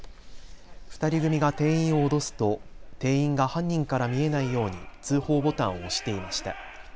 ２人組が店員を脅すと店員が犯人から見えないように通報ボタンを押していました。